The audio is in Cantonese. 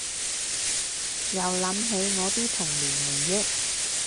又諗起我啲童年回憶